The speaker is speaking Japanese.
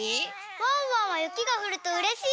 ワンワンはゆきがふるとうれしい？